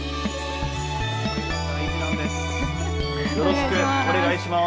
よろしくお願いします。